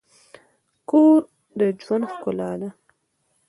کور د ژوند ښکلا ده.